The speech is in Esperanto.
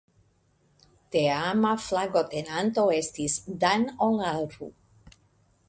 Teama flagotenanto estis "Dan Olaru".